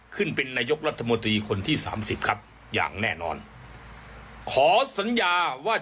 ขึ้นเป็นนายกรัฐมนตรีคนที่สามสิบครับอย่างแน่นอนขอสัญญาว่า